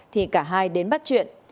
thì cả hai đến bắt chuyện